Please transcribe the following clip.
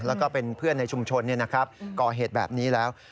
แล้วก็เป็นเพื่อนในชุมชนก่อเหตุแบบนี้แล้ว